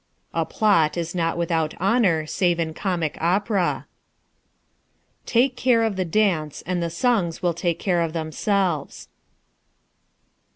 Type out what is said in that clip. A plot is not without honor save in comic opera. Take care of the dance and the songs will take care of themselves.